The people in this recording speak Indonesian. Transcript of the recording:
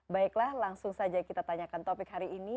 baiklah langsung saja kita tanyakan topik hari ini